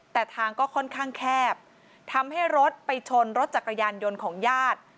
แต่ทางก็ค่อนข้างแคบทำให้รถไปชนรถจักรยานยนต์ของญาติ